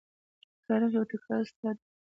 تاریخ یو تکړه استاد دی.